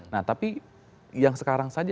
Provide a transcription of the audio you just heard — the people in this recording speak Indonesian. nah tapi yang sekarang saja